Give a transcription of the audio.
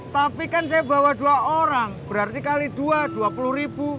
tapi kan saya bawa dua orang berarti kali dua dua puluh ribu